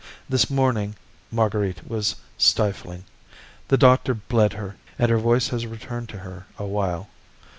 This morning Marguerite was stifling; the doctor bled her, and her voice has returned to her a while.